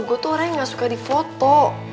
gue tuh orang yang gak suka di foto